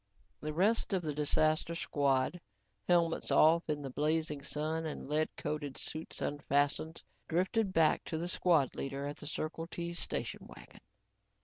The rest of the disaster squad, helmets off in the blazing sun and lead coated suits unfastened, drifted back to the squad leader at the Circle T station wagon.